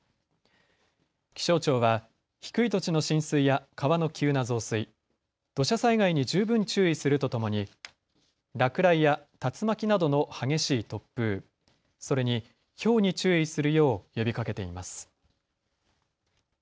気象庁は低い土地の浸水や川の急な増水、土砂災害に十分注意するとともに落雷や竜巻などの激しい突風、それにひょうに注意するよう呼びかけています。